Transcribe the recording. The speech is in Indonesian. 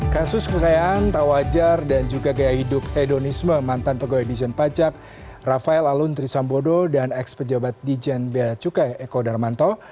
kasus kekayaan tak wajar dan juga gaya hidup hedonisme mantan pegawai dijen pajak rafael alun trisambodo dan ex pejabat dijen bea cukai eko darmanto